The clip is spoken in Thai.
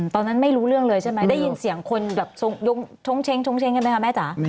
ตอนนั้นไม่รู้เรื่องเลยใช่ไหมได้ยินเสียงคนแบบช้งเช้งชงเช้งใช่ไหมคะแม่จ๋า